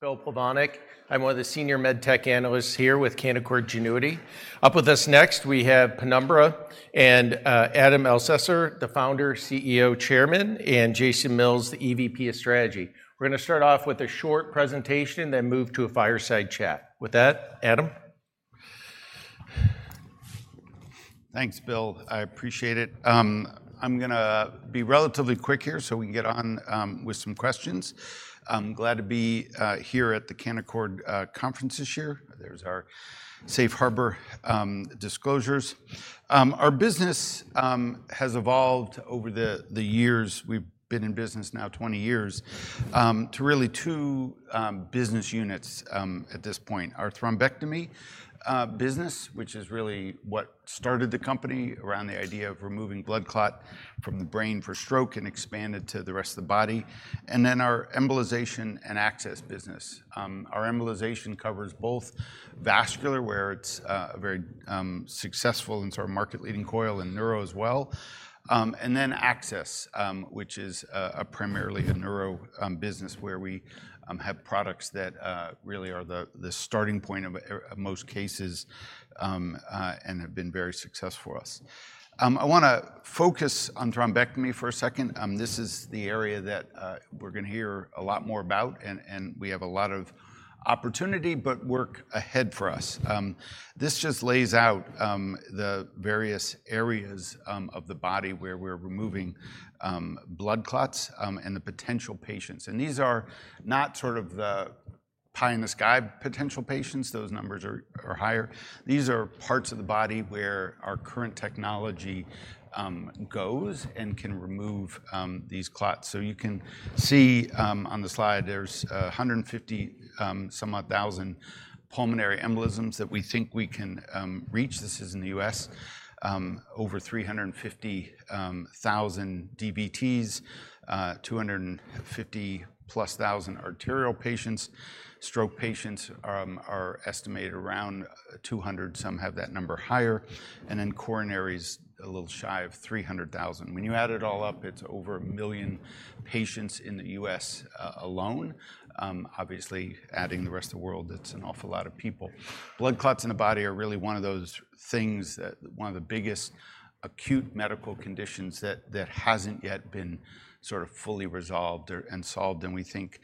My name is Bill Plovanic. I'm one of the senior med tech analysts here with Canaccord Genuity. Up with us next, we have Penumbra, and Adam Elsesser, the Founder, CEO, Chairman, and Jason Mills, the EVP of Strategy. We're gonna start off with a short presentation, then move to a Fireside Chat. With that, Adam? Thanks, Bill. I appreciate it. I'm gonna be relatively quick here, so we can get on with some questions. I'm glad to be here at the Canaccord conference this year. There's our Safe Harbor Disclosures. Our business has evolved over the years, we've been in business now 20 years to really two business units at this point. Our thrombectomy business, which is really what started the company, around the idea of removing blood clot from the brain for stroke and expanded to the rest of the body, and then our embolization and access business. Our embolization covers both vascular, where it's very successful and sort of market-leading coil, and neuro as well. And then Access, which is primarily a Neuro business, where we have products that really are the starting point of most cases and have been very successful for us. I wanna focus on thrombectomy for a second. This is the area that we're gonna hear a lot more about, and we have a lot of opportunity, but work ahead for us. This just lays out the various areas of the body where we're removing blood clots and the potential patients. And these are not sort of the pie-in-the-sky potential patients, those numbers are higher. These are parts of the body where our current technology goes and can remove these clots. So you can see on the slide, there's 150 somewhat thousand pulmonary embolisms that we think we can reach. This is in the U.S. Over 350,000 DVTs, 250,000+ arterial patients. Stroke patients are estimated around 200, some have that number higher, and then coronary's a little shy of 300,000. When you add it all up, it's over 1 million patients in the U.S. alone. Obviously, adding the rest of the world, it's an awful lot of people. Blood clots in the body are really one of those things that... One of the biggest acute medical conditions that hasn't yet been sort of fully resolved or solved, and we think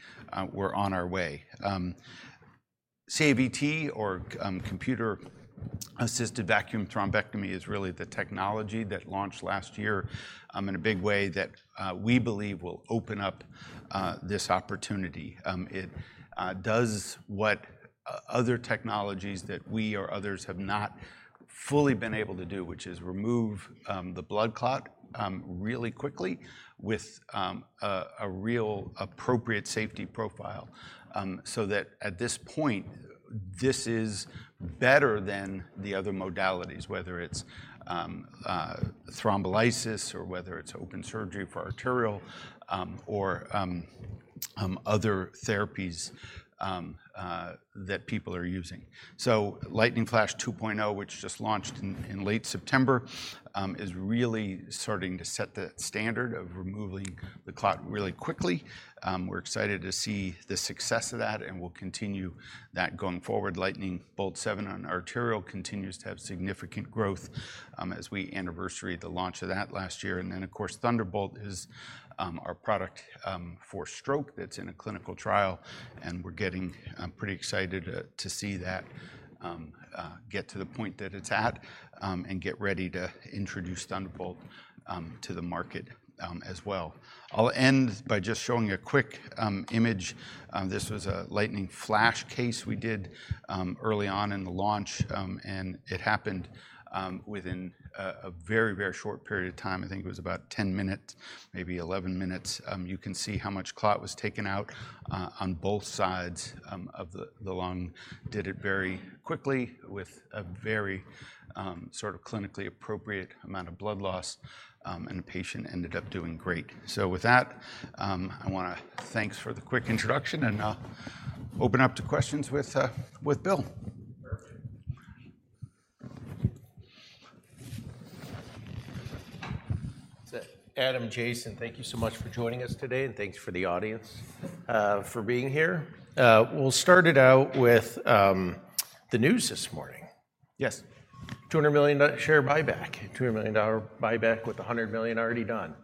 we're on our way. CAVT, or computer-assisted vacuum thrombectomy, is really the technology that launched last year, in a big way, that we believe will open up this opportunity. It does what other technologies that we or others have not fully been able to do, which is remove the blood clot really quickly, with a real appropriate safety profile. So that at this point, this is better than the other modalities, whether it's thrombolysis, or whether it's open surgery for arterial, or other therapies that people are using. So Lightning Flash 2.0, which just launched in late September, is really starting to set the standard of removing the clot really quickly. We're excited to see the success of that, and we'll continue that going forward. Lightning Bolt 7 on arterial continues to have significant growth, as we anniversary the launch of that last year. And then, of course, Thunderbolt is our product for stroke that's in a clinical trial, and we're getting pretty excited to see that get to the point that it's at, and get ready to introduce Thunderbolt to the market, as well. I'll end by just showing a quick image. This was a Lightning Flash case we did early on in the launch, and it happened within a very, very short period of time. I think it was about 10 minutes, maybe 11 minutes. You can see how much clot was taken out on both sides of the lung. Did it very quickly, with a very, sort of clinically appropriate amount of blood loss, and the patient ended up doing great. So with that, I want to thank for the quick introduction, and I'll open up to questions with Bill. Perfect. So Adam, Jason, thank you so much for joining us today, and thanks for the audience for being here. We'll start it out with the news this morning. Yes. $200 million share buyback. $200 million buyback, with $100 million already done.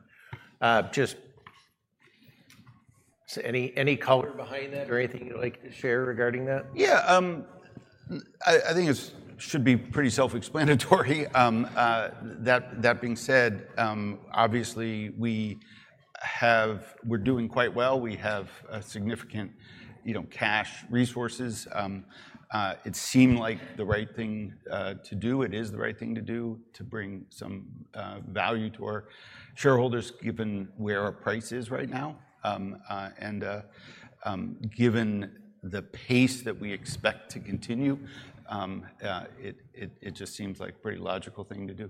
So any color behind that, or anything you'd like to share regarding that? Yeah, I think it should be pretty self-explanatory. That being said, obviously we have. We're doing quite well. We have a significant, you know, cash resources. It seemed like the right thing to do. It is the right thing to do, to bring some value to our shareholders, given where our price is right now. And given the pace that we expect to continue, it just seems like a pretty logical thing to do.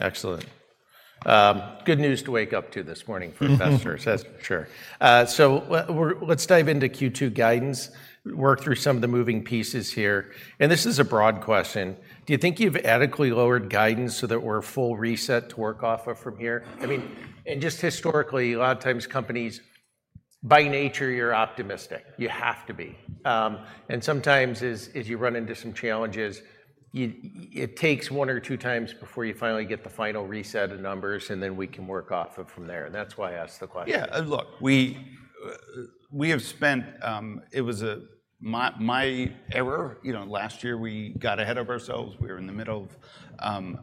Excellent. Good news to wake up to this morning for investors- Mm-hmm... That's for sure. So let's dive into Q2 guidance, work through some of the moving pieces here, and this is a broad question: Do you think you've adequately lowered guidance so that we're a full reset to work off of from here? I mean, and just historically, a lot of times companies... By nature, you're optimistic. You have to be. And sometimes as you run into some challenges, it takes one or two times before you finally get the final reset of numbers, and then we can work off of from there. That's why I asked the question. Yeah, look, we have spent-- It was my error. You know, last year we got ahead of ourselves. We were in the middle of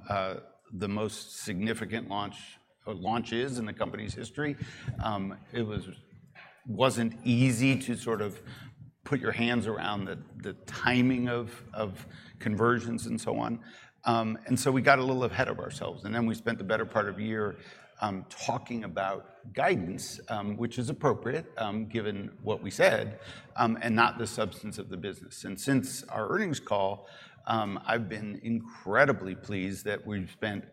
the most significant launch, or launches in the company's history. It wasn't easy to sort of put your hands around the timing of conversions and so on. And so we got a little ahead of ourselves, and then we spent the better part of a year talking about guidance, which is appropriate, given what we said, and not the substance of the business. And since our earnings call, I've been incredibly pleased that we've spent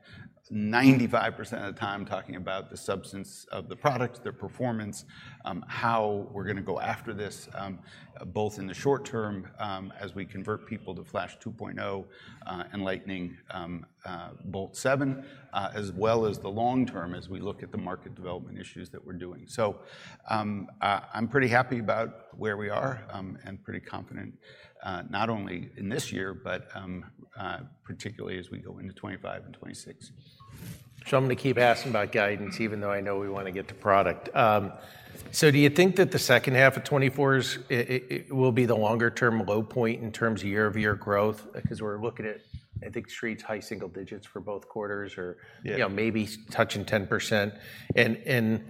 95% of the time talking about the substance of the products, their performance, how we're gonna go after this, both in the short term, as we convert people to Flash 2.0 and Lightning Bolt 7, as well as the long term as we look at the market development issues that we're doing. So, I'm pretty happy about where we are, and pretty confident, not only in this year but, particularly as we go into 2025 and 2026. I'm gonna keep asking about guidance, even though I know we wanna get to product. So do you think that the second half of 2024's it will be the longer-term low point in terms of year-over-year growth? Because we're looking at, I think, Street's high single digits for both quarters or- Yeah... you know, maybe touching 10%. And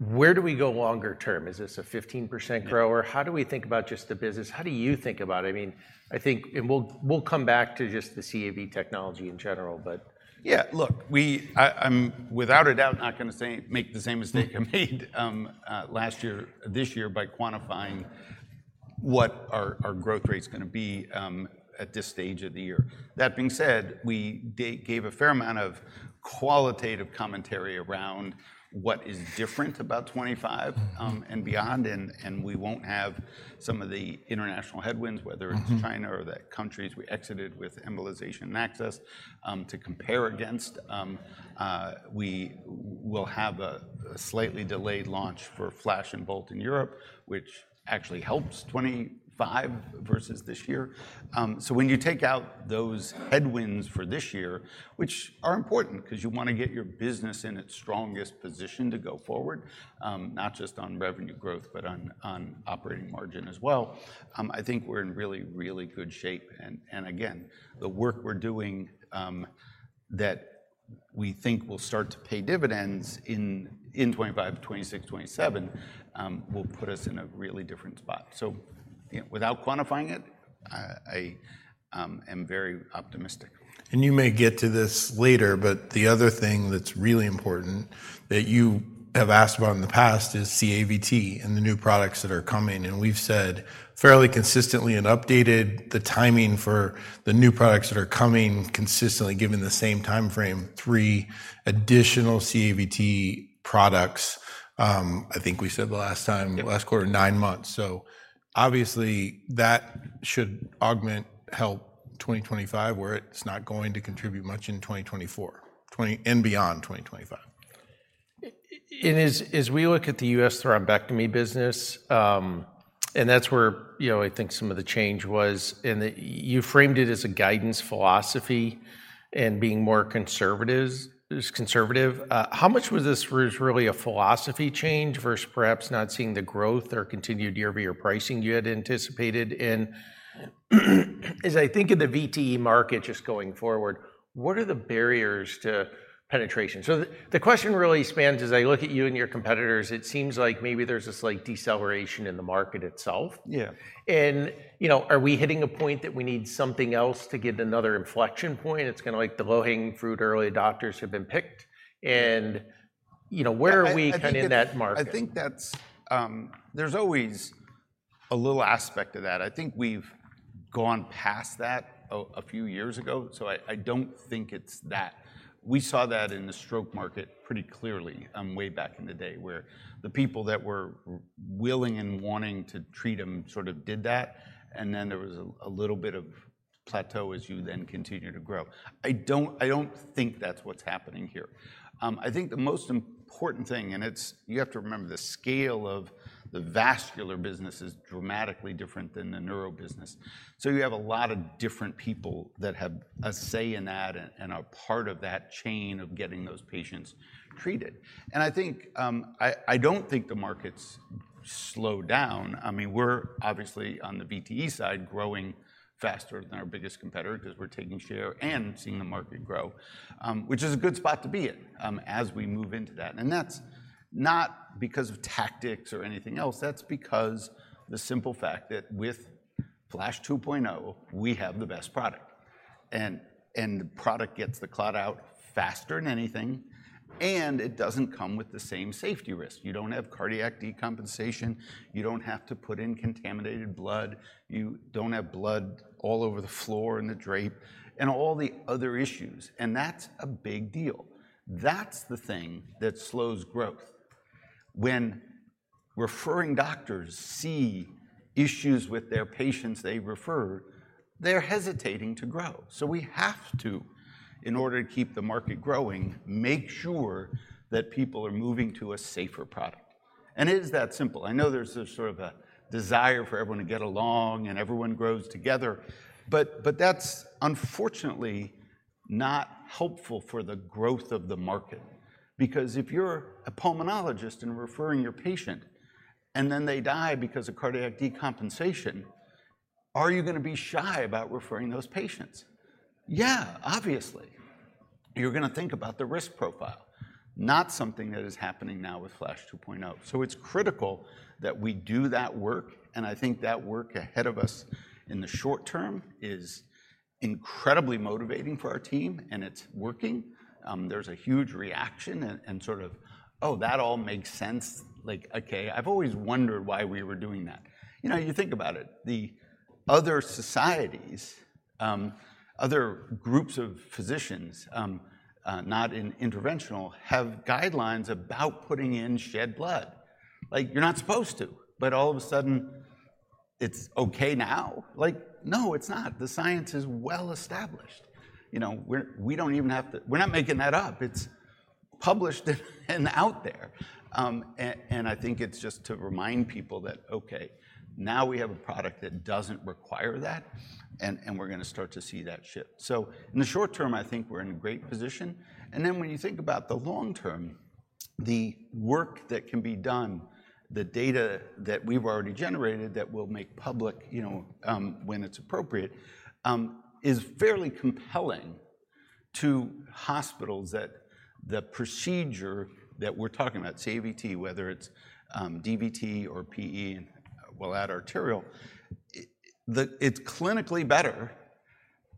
where do we go longer term? Is this a 15% grower? How do we think about just the business? How do you think about it? I mean, I think, and we'll come back to just the CAV technology in general, but. Yeah, look, we, I, I'm without a doubt not gonna say, make the same mistake I made last year, this year, by quantifying what our growth rate's gonna be, at this stage of the year. That being said, we gave a fair amount of qualitative commentary around what is different about 2025 and beyond, and we won't have some of the international headwinds, whether it's- Mm... China or the countries we exited with embolization and access, to compare against. We will have a slightly delayed launch for Flash and Bolt in Europe, which actually helps 2025 versus this year. So when you take out those headwinds for this year, which are important, 'cause you wanna get your business in its strongest position to go forward, not just on revenue growth, but on operating margin as well, I think we're in really, really good shape. And again, the work we're doing, that we think will start to pay dividends in 2025, 2026, 2027, will put us in a really different spot. So, you know, without quantifying it, I am very optimistic. And you may get to this later, but the other thing that's really important that you have asked about in the past is CAVT and the new products that are coming. And we've said fairly consistently and updated the timing for the new products that are coming consistently, given the same time frame, three additional CAVT products, I think we said the last time- Yep... last quarter, 9 months. So obviously, that should augment, help 2025, where it's not going to contribute much in 2024, 20... and beyond 2025. As we look at the U.S. thrombectomy business, and that's where, you know, I think some of the change was, and you framed it as a guidance philosophy and being more conservative. How much was this really a philosophy change versus perhaps not seeing the growth or continued year-over-year pricing you had anticipated? And as I think of the VTE market just going forward, what are the barriers to penetration? So the question really spans, as I look at you and your competitors, it seems like maybe there's a slight deceleration in the market itself. Yeah. You know, are we hitting a point that we need something else to get another inflection point? It's kinda like the low-hanging fruit, early adopters have been picked, and, you know, where are we- I think- kinda in that market? I think that's, there's always a little aspect of that. I think we've gone past that a few years ago, so I don't think it's that. We saw that in the stroke market pretty clearly, way back in the day, where the people that were willing and wanting to treat them sort of did that, and then there was a little bit of plateau as you then continue to grow. I don't think that's what's happening here. I think the most important thing, and it's... You have to remember, the scale of the vascular business is dramatically different than the neuro business. So you have a lot of different people that have a say in that and are part of that chain of getting those patients treated. And I think, I don't think the market's slowed down. I mean, we're obviously on the VTE side, growing faster than our biggest competitor, 'cause we're taking share and seeing the market grow, which is a good spot to be in, as we move into that. And that's not because of tactics or anything else. That's because the simple fact that with Flash 2.0, we have the best product. And, and the product gets the clot out faster than anything, and it doesn't come with the same safety risk. You don't have cardiac decompensation, you don't have to put in contaminated blood, you don't have blood all over the floor and the drape, and all the other issues. And that's a big deal. That's the thing that slows growth. When referring doctors see issues with their patients they refer, they're hesitating to grow. So we have to, in order to keep the market growing, make sure that people are moving to a safer product. And it is that simple. I know there's this sort of a desire for everyone to get along and everyone grows together, but, but that's unfortunately not helpful for the growth of the market. Because if you're a pulmonologist and referring your patient, and then they die because of cardiac decompensation, are you gonna be shy about referring those patients? Yeah, obviously. You're gonna think about the risk profile, not something that is happening now with Flash 2.0. So it's critical that we do that work, and I think that work ahead of us in the short term is incredibly motivating for our team, and it's working. There's a huge reaction and sort of, "Oh, that all makes sense," like, "Okay, I've always wondered why we were doing that." You know, you think about it, the other societies, other groups of physicians, not in interventional, have guidelines about putting in shed blood. Like, you're not supposed to, but all of a sudden it's okay now? Like, no, it's not. The science is well-established. You know, we're not making that up. It's published and out there. And I think it's just to remind people that, okay, now we have a product that doesn't require that, and we're gonna start to see that shift. So in the short term, I think we're in a great position. And then when you think about the long term, the work that can be done, the data that we've already generated that we'll make public, you know, when it's appropriate, is fairly compelling to hospitals that the procedure that we're talking about, CAVT, whether it's DVT or PE, and we'll add arterial, it's clinically better,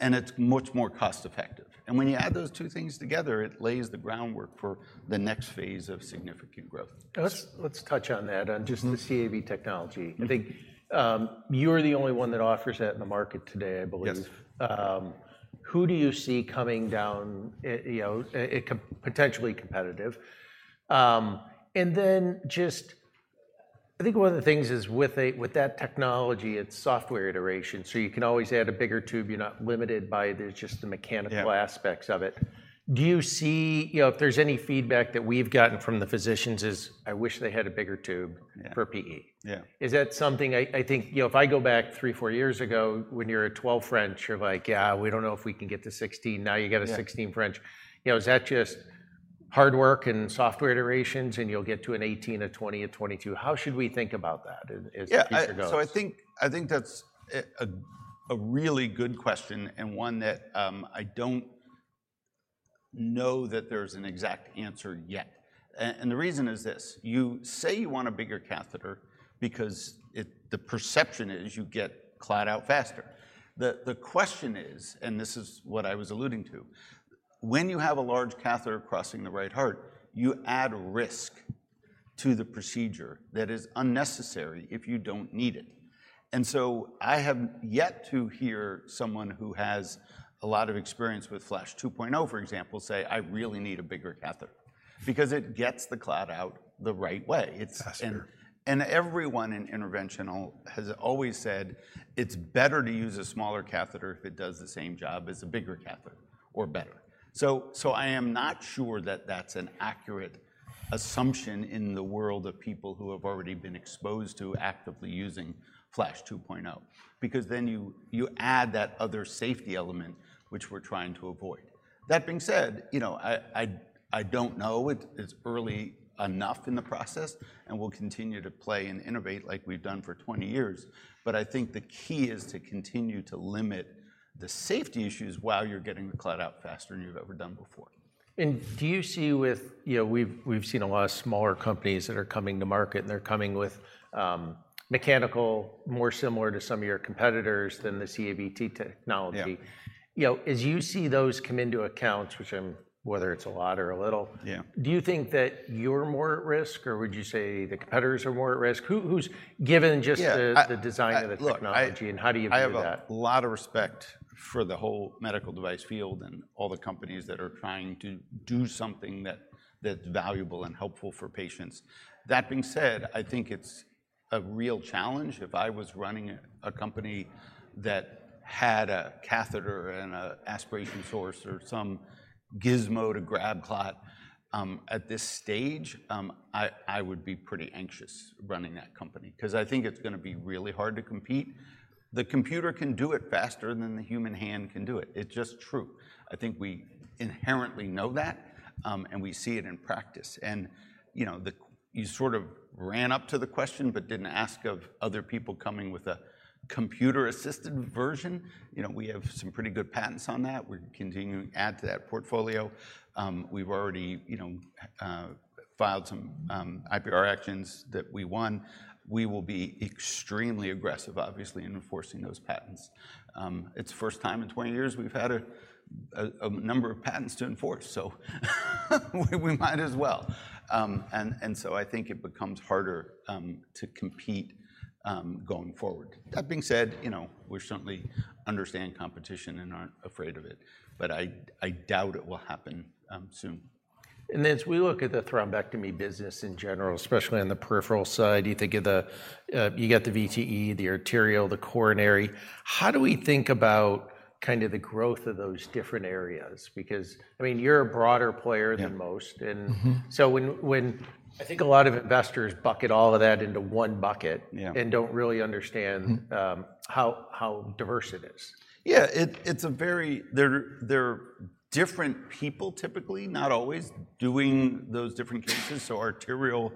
and it's much more cost-effective. And when you add those two things together, it lays the groundwork for the next phase of significant growth. Let's touch on that- Mm-hmm. on just the CAV technology. Mm. I think, you're the only one that offers that in the market today, I believe. Yes. Who do you see coming down, you know, potentially competitive? And then just... I think one of the things is with that technology, it's software iteration, so you can always add a bigger tube. You're not limited by the, just the mechanical- Yeah... aspects of it. Do you see... You know, if there's any feedback that we've gotten from the physicians is, "I wish they had a bigger tube- Yeah. -for PE. Yeah. Is that something... I, I think, you know, if I go back 3-4 years ago, when you're at 12 French, you're like, "Yeah, we don't know if we can get to 16." Now you got a- Yeah... 16 French. You know, is that just hard work and software iterations, and you'll get to an 18, a 20, a 22? How should we think about that as, as the future goes? Yeah, so I think that's a really good question and one that I don't know that there's an exact answer yet. And the reason is this: You say you want a bigger catheter because the perception is you get clot out faster. The question is, and this is what I was alluding to, when you have a large catheter crossing the right heart, you add risk to the procedure that is unnecessary if you don't need it. And so I have yet to hear someone who has a lot of experience with Flash 2.0, for example, say, "I really need a bigger catheter," because it gets the clot out the right way. It's- Faster. Everyone in interventional has always said, "It's better to use a smaller catheter if it does the same job as a bigger catheter or better." So I am not sure that that's an accurate assumption in the world of people who have already been exposed to actively using Flash 2.0, because then you add that other safety element, which we're trying to avoid. That being said, you know, I don't know. It's early enough in the process, and we'll continue to play and innovate like we've done for 20 years. But I think the key is to continue to limit the safety issues while you're getting the clot out faster than you've ever done before. Do you see with... You know, we've seen a lot of smaller companies that are coming to market, and they're coming with mechanical, more similar to some of your competitors than the CAVT technology. Yeah. You know, as you see those come into accounts, which I'm, whether it's a lot or a little- Yeah... do you think that you're more at risk, or would you say the competitors are more at risk? Given just the- Yeah, I- the design of the technology, and how do you view that? I have a lot of respect for the whole medical device field and all the companies that are trying to do something that, that's valuable and helpful for patients. That being said, I think it's a real challenge. If I was running a company that had a catheter and a aspiration source or some gizmo to grab clot, at this stage, I would be pretty anxious running that company, 'cause I think it's gonna be really hard to compete. The computer can do it faster than the human hand can do it. It's just true. I think we inherently know that, and we see it in practice. And, you know, you sort of ran up to the question but didn't ask of other people coming with a computer-assisted version. You know, we have some pretty good patents on that. We're continuing to add to that portfolio. We've already, you know, filed some IPR actions that we won. We will be extremely aggressive, obviously, in enforcing those patents. It's the first time in 20 years we've had a number of patents to enforce, so we might as well. And so I think it becomes harder to compete going forward. That being said, you know, we certainly understand competition and aren't afraid of it, but I doubt it will happen soon.... As we look at the thrombectomy business in general, especially on the peripheral side, you think of the, you got the VTE, the arterial, the coronary. How do we think about kind of the growth of those different areas? Because, I mean, you're a broader player. Yeah than most, and Mm-hmm So when I think a lot of investors bucket all of that into one bucket. Yeah and don't really understand Mm how diverse it is. Yeah, it's a very—they're different people typically, not always, doing those different cases. So arterial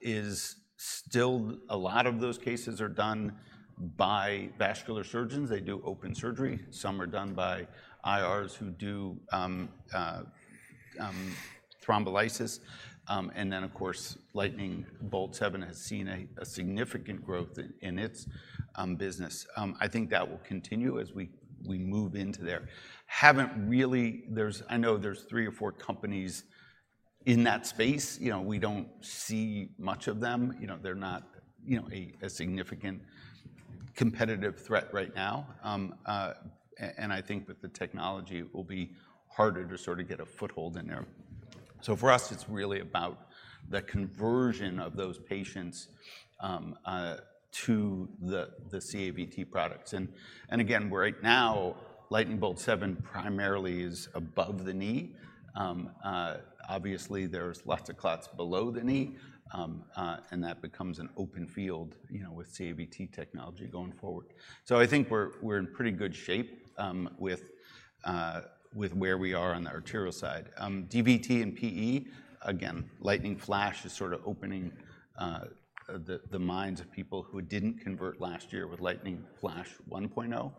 is still a lot of those cases are done by vascular surgeons. They do open surgery. Some are done by IRs who do thrombolysis. And then, of course, Lightning Bolt 7 has seen a significant growth in its business. I think that will continue as we move into there. Haven't really. There's I know there's three or four companies in that space. You know, we don't see much of them. You know, they're not, you know, a significant competitive threat right now. And I think that the technology will be harder to sort of get a foothold in there. So for us, it's really about the conversion of those patients to the CAVT products. Again, right now, Lightning Bolt 7 primarily is above the knee. Obviously, there's lots of clots below-the-knee, and that becomes an open field, you know, with CAVT technology going forward. So I think we're in pretty good shape, with where we are on the arterial side. DVT and PE, again, Lightning Flash is sort of opening the minds of people who didn't convert last year with Lightning Flash 1.0.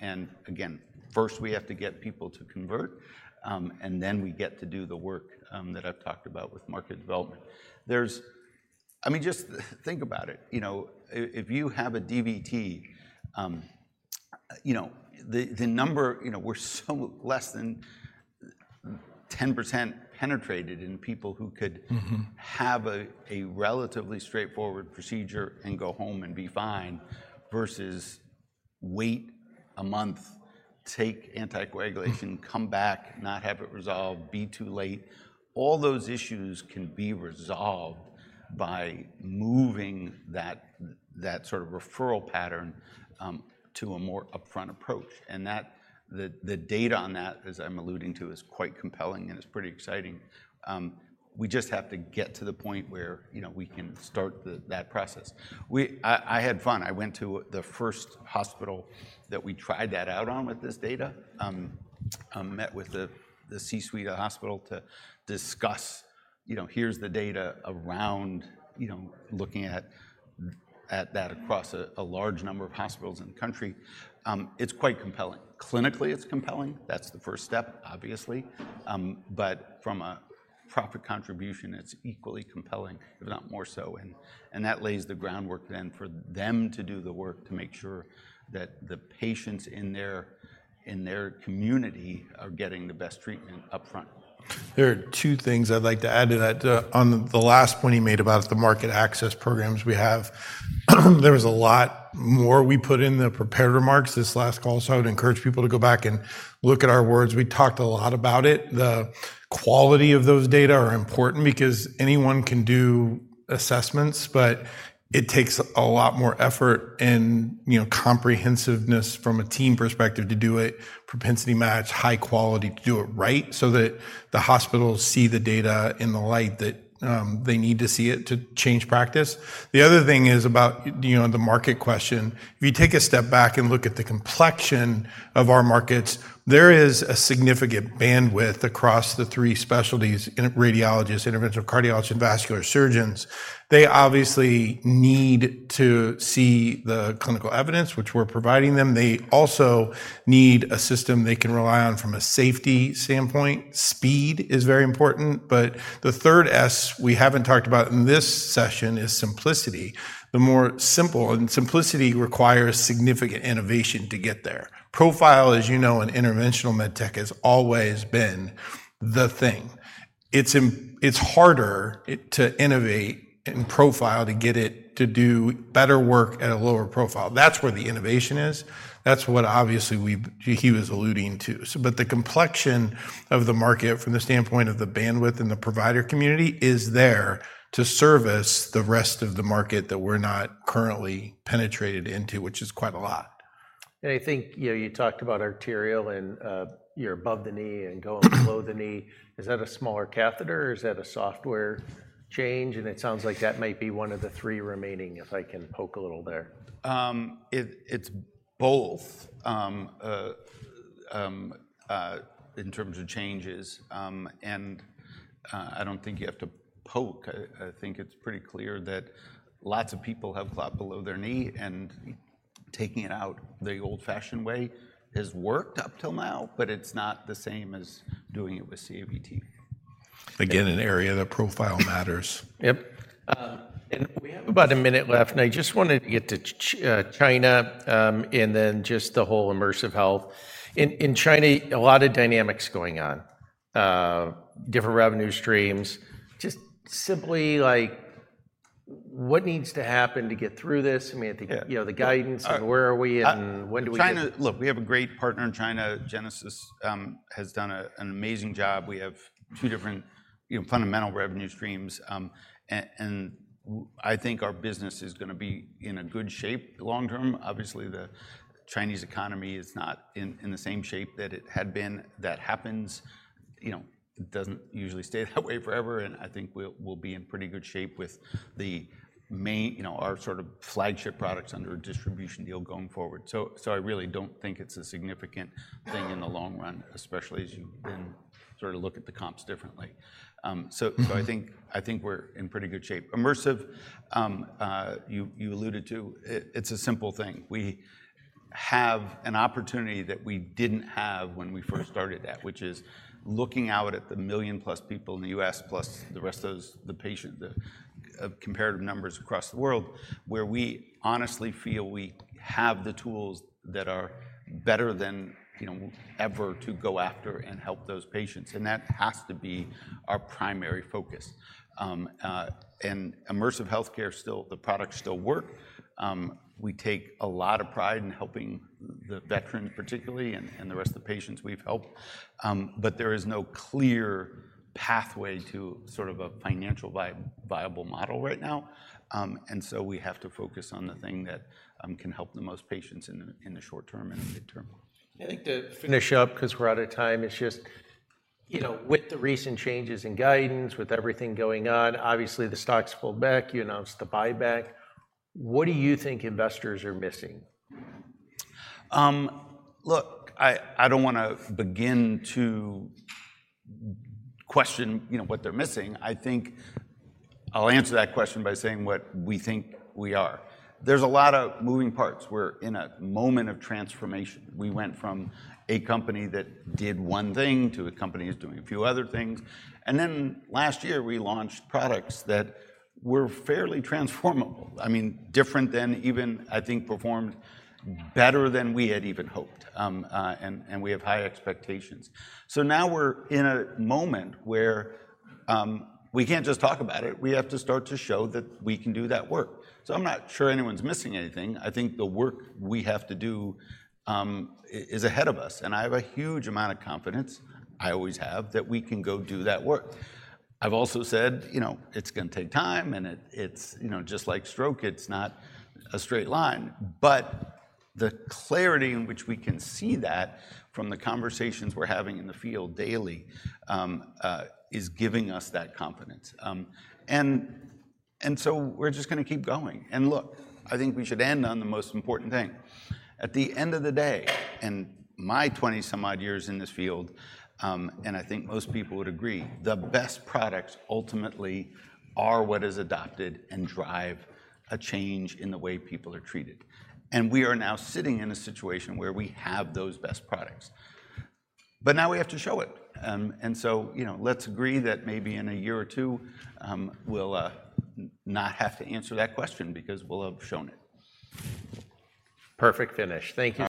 And again, first, we have to get people to convert, and then we get to do the work that I've talked about with market development. There's—I mean, just think about it, you know, if you have a DVT, you know, the number, you know, we're so less than 10% penetrated in people who could- Mm-hmm... have a relatively straightforward procedure and go home and be fine, versus wait a month, take anticoagulation- Mm... come back, not have it resolved, be too late. All those issues can be resolved by moving that sort of referral pattern to a more upfront approach, and the data on that, as I'm alluding to, is quite compelling, and it's pretty exciting. We just have to get to the point where, you know, we can start that process. I had fun. I went to the first hospital that we tried that out on with this data. I met with the C-suite of the hospital to discuss, you know, here's the data around, you know, looking at that across a large number of hospitals in the country. It's quite compelling. Clinically, it's compelling. That's the first step, obviously. But from a profit contribution, it's equally compelling, if not more so, and, and that lays the groundwork then for them to do the work to make sure that the patients in their, in their community are getting the best treatment upfront. There are two things I'd like to add to that. On the last point he made about the market access programs we have, there was a lot more we put in the prepared remarks, this last call, so I would encourage people to go back and look at our words. We talked a lot about it. The quality of those data are important because anyone can do assessments, but it takes a lot more effort and, you know, comprehensiveness from a team perspective to do it, propensity match, high quality, to do it right, so that the hospitals see the data in the light that they need to see it to change practice. The other thing is about, you know, the market question. If you take a step back and look at the complexion of our markets, there is a significant bandwidth across the three specialties, in radiologists, interventional cardiologists, and vascular surgeons. They obviously need to see the clinical evidence, which we're providing them. They also need a system they can rely on from a safety standpoint. Speed is very important, but the third S, we haven't talked about in this session is simplicity. The more simple, and simplicity requires significant innovation to get there. Profile, as you know, in interventional med tech has always been the thing. It's harder to innovate in profile to get it to do better work at a lower profile. That's where the innovation is. That's what obviously we've, he was alluding to. So, but the complexion of the market, from the standpoint of the bandwidth and the provider community, is there to service the rest of the market that we're not currently penetrated into, which is quite a lot. I think, you know, you talked about arterial and you're above the knee and going below-the-knee. Is that a smaller catheter, or is that a software change? And it sounds like that might be one of the three remaining, if I can poke a little there. It's both in terms of changes, and I don't think you have to poke. I think it's pretty clear that lots of people have clot below their knee, and taking it out the old-fashioned way has worked up till now, but it's not the same as doing it with CAVT. Again, an area that profile matters. Yep. And we have about a minute left, and I just wanted to get to China, and then just the whole immersive health. In China, a lot of dynamics going on, different revenue streams. Just simply, what needs to happen to get through this? I mean, I think, you know, the guidance and where are we, and when do we- China, look, we have a great partner in China. Genesis has done an amazing job. We have two different, you know, fundamental revenue streams. I think our business is gonna be in a good shape long term. Obviously, the Chinese economy is not in the same shape that it had been. That happens, you know, it doesn't usually stay that way forever, and I think we'll be in pretty good shape with the main, you know, our sort of flagship products under a distribution deal going forward. So I really don't think it's a significant thing in the long run, especially as you then sort of look at the comps differently. I think we're in pretty good shape. Immersive, you alluded to, it's a simple thing. We have an opportunity that we didn't have when we first started that, which is looking out at the million-plus people in the U.S., plus the rest of those, the comparative numbers across the world, where we honestly feel we have the tools that are better than, you know, ever to go after and help those patients, and that has to be our primary focus. And Immersive Healthcare still... the products still work. We take a lot of pride in helping the veterans particularly, and the rest of the patients we've helped. But there is no clear pathway to sort of a financially viable model right now. And so we have to focus on the thing that can help the most patients in the short term and in the mid term. I think to finish up, 'cause we're out of time, it's just, you know, with the recent changes in guidance, with everything going on, obviously, the stock's pulled back. You announced the buyback. What do you think investors are missing? Look, I don't wanna begin to question, you know, what they're missing. I think I'll answer that question by saying what we think we are. There's a lot of moving parts. We're in a moment of transformation. We went from a company that did one thing to a company that's doing a few other things, and then last year, we launched products that were fairly transformable. I mean, different than even, I think, performed better than we had even hoped. And we have high expectations. So now we're in a moment where we can't just talk about it. We have to start to show that we can do that work. So I'm not sure anyone's missing anything. I think the work we have to do is ahead of us, and I have a huge amount of confidence, I always have, that we can go do that work. I've also said, you know, it's gonna take time, and it, it's, you know, just like stroke, it's not a straight line. But the clarity in which we can see that from the conversations we're having in the field daily is giving us that confidence. And so we're just gonna keep going. And look, I think we should end on the most important thing. At the end of the day, in my 20-some-odd years in this field, and I think most people would agree, the best products ultimately are what is adopted and drive a change in the way people are treated, and we are now sitting in a situation where we have those best products. But now we have to show it. And so, you know, let's agree that maybe in a year or two, we'll not have to answer that question because we'll have shown it. Perfect finish. Thank you.